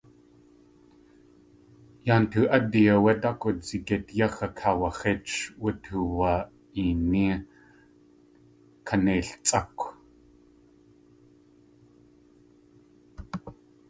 Yaa ntoo.ádi áwé, daak wudzigít yax̲ akaawax̲ích wutuwa.ini kaneiltsʼákw.